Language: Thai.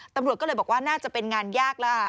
ตำรวจก็เลยบอกว่าน่าจะเป็นงานยากแล้ว